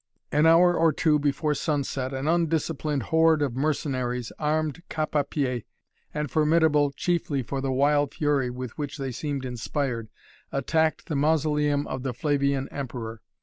An hour or two before sunset an undisciplined horde of mercenaries, armed cap a pie, and formidable chiefly for the wild fury with which they seemed inspired, attacked the Mausoleum of the Flavian Emperor.